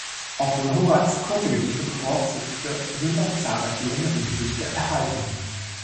Obwohl Horaz kurze Gedichte bevorzugte, sind auch zahlreiche längere Gedichte erhalten.